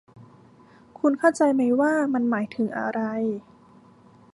คุณเข้าใจไหมว่ามันหมายถึงอะไร